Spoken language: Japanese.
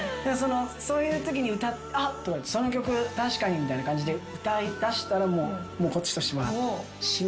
そういうときに「その曲確かに」みたいな感じで歌いだしたらもうこっちとしては。